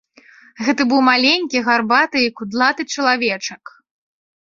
Гэта быў маленькі, гарбаты і кудлаты чалавечак.